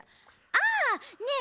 ああねえ